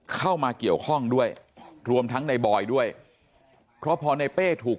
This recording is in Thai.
เข้ามาเกี่ยวข้องด้วยรวมทั้งในบอยด้วยเพราะพอในเป้ถูก